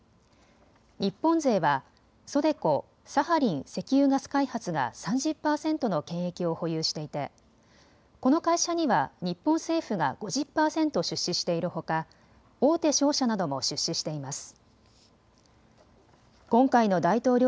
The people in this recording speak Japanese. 日本勢はＳＯＤＥＣＯ・サハリン石油ガス開発が３０％の権益を保有していてこの会社には日本政府が５０％出資してしているほか大手商社なども出資しています。